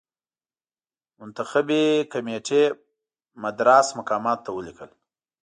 منتخبي کمېټې مدراس مقاماتو ته ولیکل.